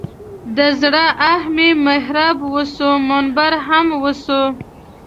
د زړه آه مې محراب وسو منبر هم وسو.